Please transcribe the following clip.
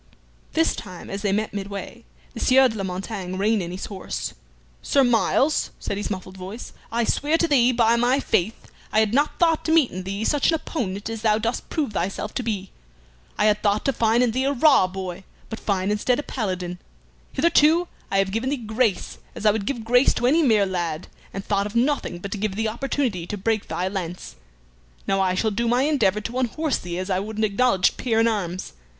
This time as they met midway the Sieur de la Montaigne reined in his horse. "Sir Myles," said his muffled voice, "I swear to thee, by my faith, I had not thought to meet in thee such an opponent as thou dost prove thyself to be. I had thought to find in thee a raw boy, but find instead a Paladin. Hitherto I have given thee grace as I would give grace to any mere lad, and thought of nothing but to give thee opportunity to break thy lance. Now I shall do my endeavor to unhorse thee as I would an acknowledged peer in arms.